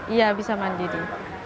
iya bisa mandiri